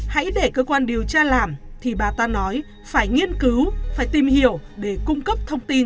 hãy để cơ quan điều tra làm thì bà ta nói phải nghiên cứu phải tìm hiểu để cung cấp thông tin